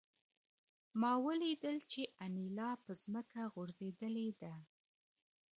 ما ولیدل چې انیلا په ځمکه غورځېدلې ده